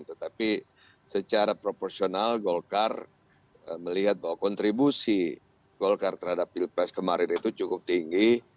tetapi secara proporsional golkar melihat bahwa kontribusi golkar terhadap pilpres kemarin itu cukup tinggi